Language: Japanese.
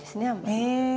へえ。